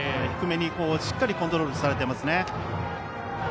低めにしっかりコントロールされていますね。